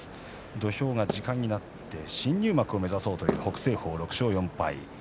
土俵が時間になって新入幕を目指そうという北青鵬が６勝４敗。